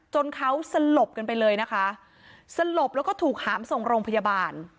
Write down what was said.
จนเขาสลบกันไปเลยนะคะสลบแล้วก็ถูกหามส่งโรงพยาบาล